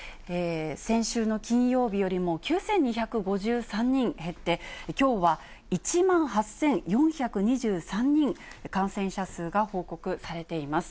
先週の金曜日よりも９２５３人減って、きょうは１万８４２３人、感染者数が報告されています。